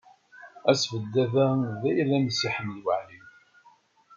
Asebdad-a d ayla n Si Ḥmed Waɛli.